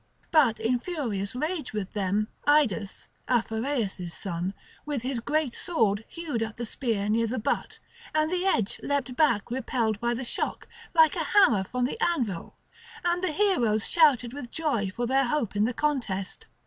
But in furious rage with them Idas, Aphareus' son, with his great sword hewed at the spear near the butt, and the edge leapt back repelled by the shock, like a hammer from the anvil; and the heroes shouted with joy for their hope in the contest.